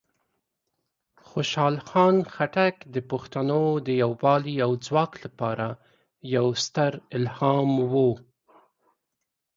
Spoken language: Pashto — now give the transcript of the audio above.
خوشحال خان خټک د پښتنو د یوالی او ځواک لپاره یوه ستره الهام وه.